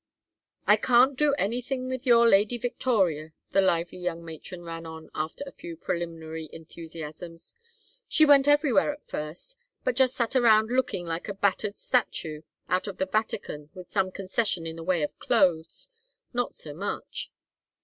"... I can't do anything with your Lady Victoria" [the lively young matron ran on after a few preliminary enthusiasms]. "She went everywhere at first, but just sat round looking like a battered statue out of the Vatican with some concession in the way of clothes not so much.